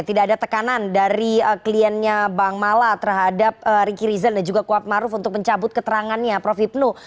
tidak ada tekanan dari kliennya bang mala terhadap ricky rizal dan juga kuatmaruf untuk mencabut keterangannya prof hipnu